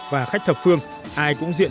và khách thập phương ai cũng diện